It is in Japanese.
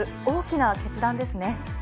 大きな決断ですね。